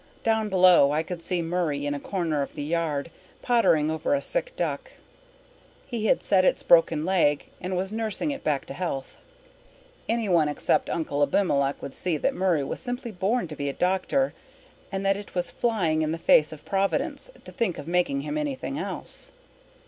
Down below I could see Murray in a corner of the yard, pottering over a sick duck. He had set its broken leg and was nursing it back to health. Anyone except Uncle Abimelech could see that Murray was simply born to be a doctor and that it was flying in the face of Providence to think of making him anything else.